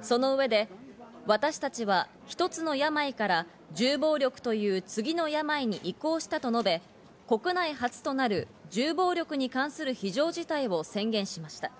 その上で、私たちは一つの病から銃暴力という次の病に移行したと述べ、国内初となる銃暴力に関する非常事態を宣言しました。